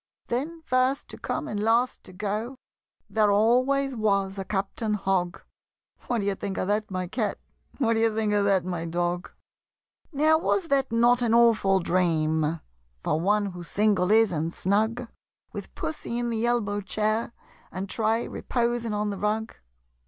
Then, first to come and last to go, There always was a Captain Hogg What d'ye think of that, my Cat? What d'ye think of that, my Dog? Now was not that an awful dream For one who single is and snug With Pussy in the elbow chair And Tray reposing on the rug?